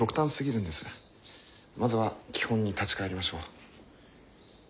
まずは基本に立ち返りましょう。